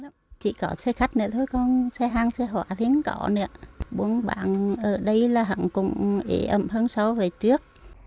chỉ có xe khách nữa thôi còn xe hàng xe hỏa thì không có nữa buôn bán ở đây là hẳn cũng ế ẩm hơn sau về trước